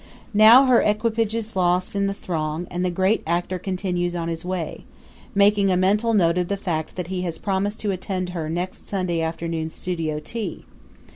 Now her equipage is lost in the throng and the great actor continues on his way, making a mental note of the fact that he has promised to attend her next Sunday afternoon studio tea.